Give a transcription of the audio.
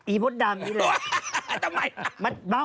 ไอ้พ่อดำนี้แหละ